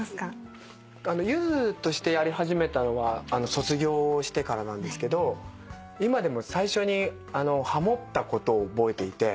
ゆずとしてやり始めたのは卒業してからなんですけど今でも最初にハモったことを覚えていて。